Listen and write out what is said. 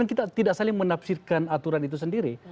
yang kemudian kita tidak saling menafsirkan aturan itu sendiri